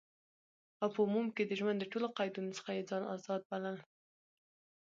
او په عموم کی د ژوند د ټولو قیدونو څخه یی ځان آزاد بلل،